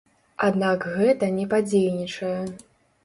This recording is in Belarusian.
Аднак гэта не падзейнічае.